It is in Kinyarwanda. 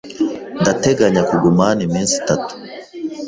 Ndateganya kuguma hano iminsi itatu.